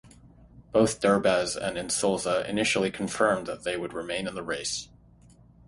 Both Derbez and Insulza initially confirmed that they would remain in the race.